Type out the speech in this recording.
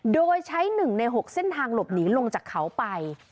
โดยใช้๑ใน๖เส้นทางหลบหนีลงจากเขาไป